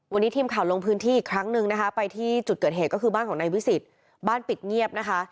วันนี้ทีมข่าวลงพื้นที่อีกครั้งหนึ่งนะคะไปที่จุดเกิดเหตุก็คือบ้านของนายวิสิทธิ์บ้านปิดเงียบนะคะ